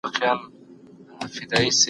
کانونه راوباسو.